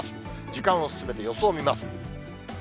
時間を進めて予想を見ます。